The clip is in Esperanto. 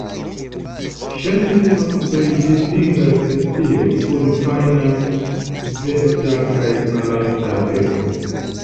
Ŝajne temas pri distinga specio, kun fajna, svelta kaj malalta beko.